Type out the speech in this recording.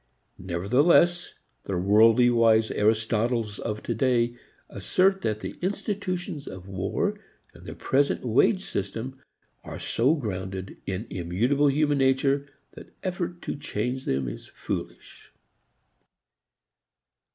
Nevertheless the worldlywise Aristotles of today assert that the institutions of war and the present wage system are so grounded in immutable human nature that effort to change them is foolish.